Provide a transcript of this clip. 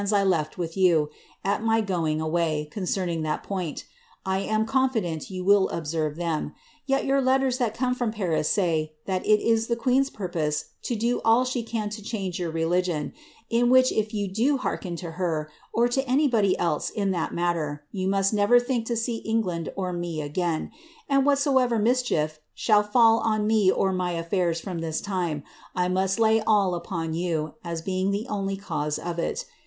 I leA with you, at my going away, con cerning that poinL I am confident you will observe them ; yet your letters that come from Paris say, that it is the queen's puri>ose to do all she can to change your religion, in which if you do hearken to her, or to anybody else in that matter, you must never think to see England or me again ; and whatsoerer mi^ chief shall fall on me or my aflairs from this time, I must lay all upon yon, u being the only cause of it.